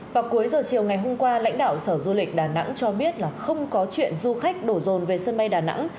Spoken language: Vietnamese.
vào cuối giờ chiều ngày hôm qua lãnh đạo sở du lịch đà nẵng cho biết là không có chuyện du khách đổ rồn về sân bay đà nẵng